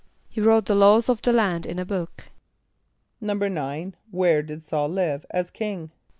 =He wrote the laws of the land in a book.= =9.= Where did S[a:]ul live as king?